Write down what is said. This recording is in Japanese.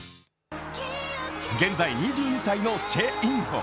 現在２２歳のチェ・インホ。